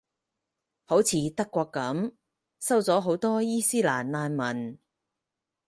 好似德國噉，收咗好多伊期蘭難民